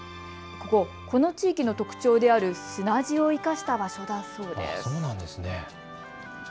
ここ、この地域の特徴である砂地を生かした場所なんです。